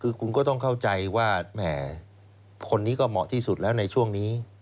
คือคุณก็ต้องเข้าใจว่าแหมคนนี้ก็เหมาะที่สุดแล้วในช่วงนี้